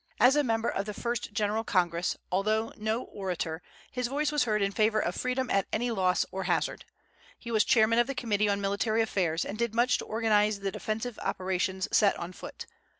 As a member of the first general Congress, although no orator, his voice was heard in favor of freedom at any loss or hazard. He was chairman of the Committee on Military Affairs, and did much to organize the defensive operations set on foot.